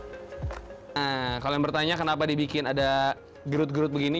nah kalau yang bertanya kenapa dibikin ada gerut gerut begini